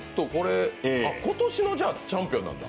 今年のチャンピオンなんだ。